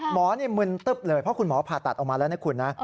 หมอนี่มึนตึ๊บเลยเพราะคุณหมอผ่าตัดออกมาแล้วนะคุณนะ